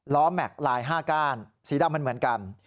แม็กซ์ลาย๕ก้านสีดำมันเหมือนกัน